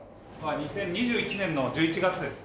２０２１年の１１月です。